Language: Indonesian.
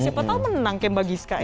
siapa tau menang kayak mbak gizka ya kan